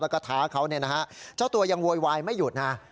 แล้วก็ท้าเขาเนี่ยนะฮะเจ้าตัวยังโวยวายไม่หยุดนะ